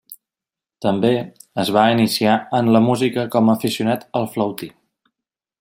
També, es va iniciar en la música com aficionat al flautí.